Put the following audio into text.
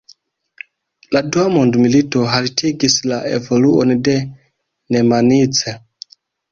La dua mondmilito haltigis la evoluon de Nemanice.